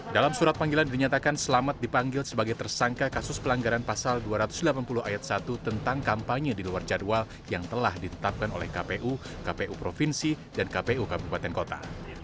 dalam surat panggilan dinyatakan selamat dipanggil sebagai tersangka kasus pelanggaran pasal dua ratus delapan puluh ayat satu tentang kampanye di luar jadwal yang telah ditetapkan oleh kpu kpu provinsi dan kpu kabupaten kota